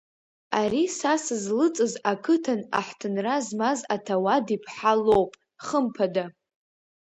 Ари са сызлыҵыз ақыҭан аҳҭынра змаз аҭауад иԥҳа лоуп, хымԥада.